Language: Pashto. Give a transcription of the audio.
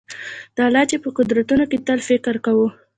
د الله چي په قدرتونو کي تل فکر کوه